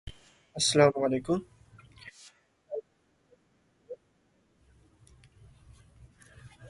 She has been reelected eight times since then without much difficulty.